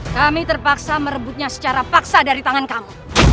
kami terpaksa merebutnya secara paksa dari tangan kamu